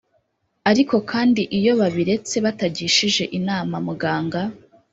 ariko kandi iyo babiretse batagishije inama muganga